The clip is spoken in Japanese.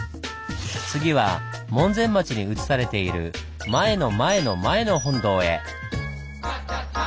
次は門前町に移されている「前の前の前の本堂」へ。